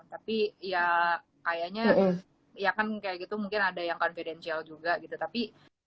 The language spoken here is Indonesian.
tapi ya kayaknya ya kan kayak gitu mungkin ada yang confidential juga gitu tapi